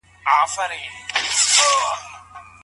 په واده کي د سيالۍ موضوع ته جدي پام وکړئ.